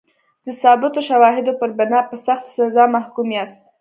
د ثابتو شواهدو پر بنا په سخته سزا محکوم یاست.